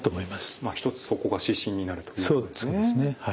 一つそこが指針になるということなんですね。